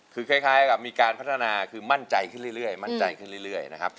คือคล้ายคล้ายกับมีการพัฒนาคือมั่นใจขึ้นเรื่อยเรื่อยมั่นใจขึ้นเรื่อยเรื่อยนะฮะ